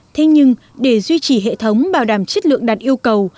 thế nhưng để duy trì hệ thống bảo đảm chất lượng đạt yêu cầu